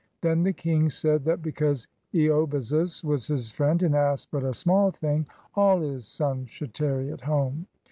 Then the king said that because (Eobazus was his friend and asked but a small thing, all his sons should tarry at home.